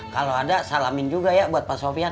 kalau ada salamin juga ya buat pak sofian